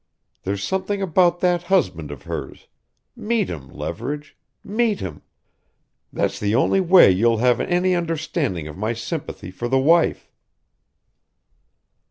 There's something about that husband of hers meet him, Leverage meet him! That's the only way you'll have any understanding of my sympathy for the wife."